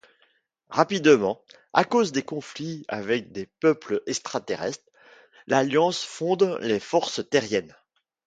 Rapidement, à cause de conflits avec des peuples extraterrestre, l'Alliance fonde les Forces Terriennes.